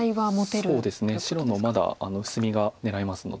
そうですね白のまだ薄みが狙えますので。